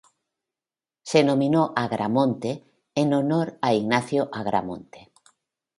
Se nominó Agramonte en honor a Ignacio Agramonte.